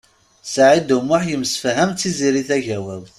Saɛid U Muḥ yemsefham d Tiziri Tagawawt.